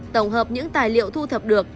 tổng hợp những tài liệu thu thập được